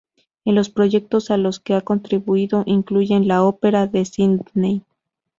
En los proyectos a los que ha contribuido incluyen la Ópera de Sídney.